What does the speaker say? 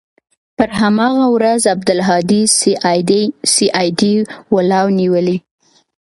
پر هماغه ورځ عبدالهادي سي آى ډي والاو نيولى.